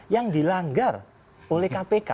yang dilanggar oleh kpk